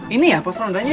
ini ya pos rondanya ya